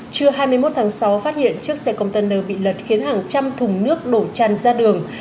trưa hai mươi một tháng sáu phát hiện chiếc xe container bị lật khiến hàng trăm thùng nước đổ tràn ra đường